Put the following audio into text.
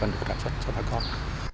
và được trả xuất cho bà con